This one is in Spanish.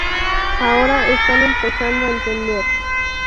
Ahora están empezando a entender".